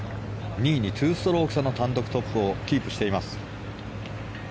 ２位に２ストローク差の単独トップをキープしています